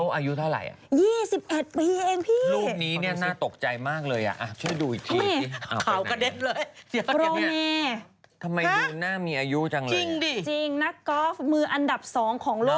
อ่าดูดีหรือว่ามุมกล้องหรือแสง